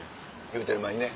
言うてる間にね。